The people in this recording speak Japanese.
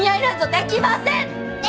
できません！